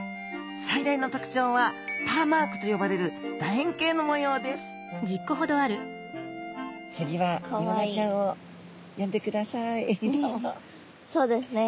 最大の特徴はパーマークと呼ばれるだえんけいの模様ですそうですね。